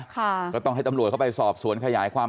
ก็ต้องให้ตำรวจเข้าไปสอบสวนขยายความ